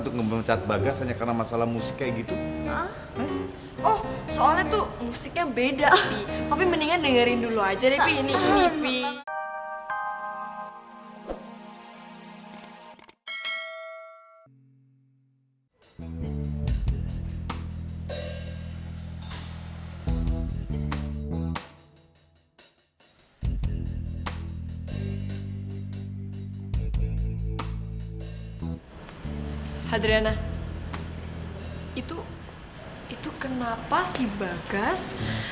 itu kenapa si bagas